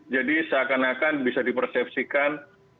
jadi seakan akan bisa dipersepsikan